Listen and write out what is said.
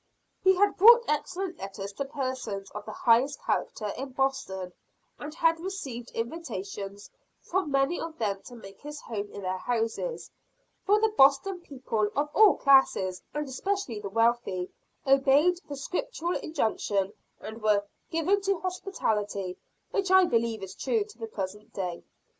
He had brought excellent letters to persons of the highest character in Boston, and had received invitations from many of them to make his home in their houses for the Boston people of all classes, and especially the wealthy, obeyed the Scriptural injunction, and were "given to hospitality;" which I believe is true to the present day.